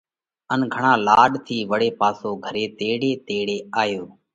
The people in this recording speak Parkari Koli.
ان گھڻا لاڏ ٿِي وۯي پاسو گھري تيڙي تيڙي آيو